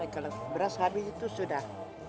kalau beras habis itu sudah